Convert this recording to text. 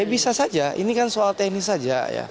ya bisa saja ini kan soal teknis saja ya